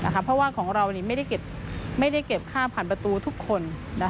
เพราะว่าของเราไม่ได้เก็บค่าผ่านประตูทุกคน